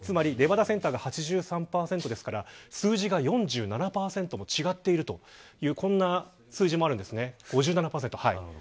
レバダセンターが８３％ですから数字が４７％間違っているというこんな数字もあるんです。